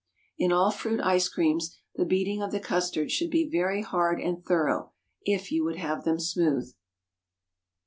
In all fruit ice creams the beating of the custard should be very hard and thorough, if you would have them smooth.